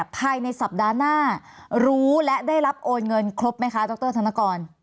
ภายในสัปดาห์หน้ารู้และได้รับโอนเงินครบไหมคะดรธนกร